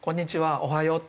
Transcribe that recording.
「おはよう」っていう